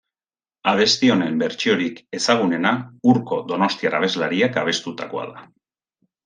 Abesti honen bertsiorik ezagunena Urko donostiar abeslariak abestutakoa da.